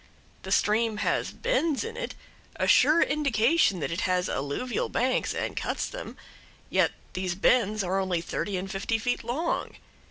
The stream has bends in it, a sure indication that it has alluvial banks and cuts them; yet these bends are only thirty and fifty feet long.